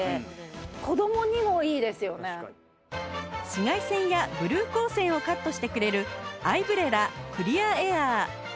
紫外線やブルー光線をカットしてくれるアイブレラクリアエアー